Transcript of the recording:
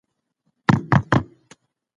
خپل استعداد به په سمه لاره مصرفوئ.